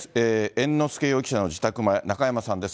猿之助容疑者の自宅前、中山さんです。